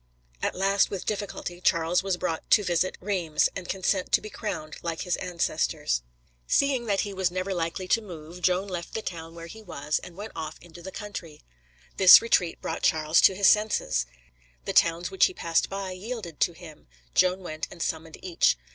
At last, with difficulty, Charles was brought to visit Reims and consent to be crowned like his ancestors. Seeing that he was never likely to move, Joan left the town where he was and went off into the country. This retreat brought Charles to his senses. The towns which he passed by yielded to him; Joan went and summoned each.